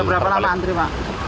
ini sudah berapa lama antri pak